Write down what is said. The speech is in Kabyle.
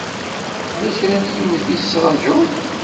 Tella kra n yiwet i tettṛajuḍ?